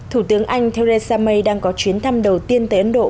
thủ tướng anh theresa may đang có chuyến thăm đầu tiên tới ấn độ